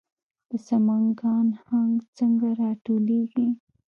د سمنګان هنګ څنګه راټولیږي؟